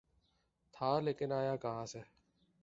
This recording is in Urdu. تھا‘ لیکن آیا کہاں سے؟